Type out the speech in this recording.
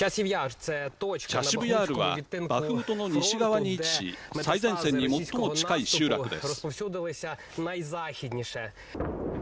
チャシブヤールはバフムトの西側に位置し最前線に最も近い集落です。